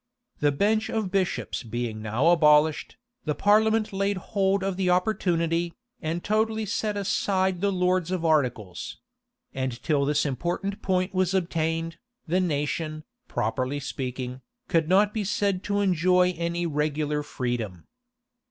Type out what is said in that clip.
The bench of bishops being now abolished, the parliament laid hold of the opportunity, and totally set aside the lords of articles: and till this important point was obtained, the nation, properly speaking, could not be said to enjoy any regular freedom.